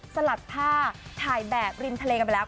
สลัดผ้าถ่ายแบบริมทะเลกันไปแล้ว